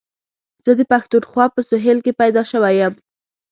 زه د پښتونخوا په سهېل کي پيدا شوی یم.